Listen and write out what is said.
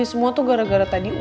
ini semua tuh gara gara tadi ujian